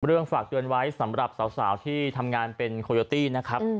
ฝากเตือนไว้สำหรับสาวที่ทำงานเป็นโคโยตี้นะครับ